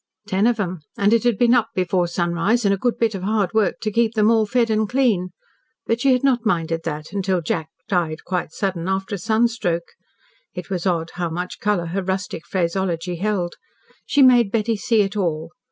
Ten of 'em, and it had been "up before sunrise, and a good bit of hard work to keep them all fed and clean." But she had not minded that until Jack died quite sudden after a sunstroke. It was odd how much colour her rustic phraseology held. She made Betty see it all.